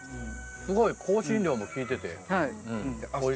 すごい香辛料も効いてておいしい。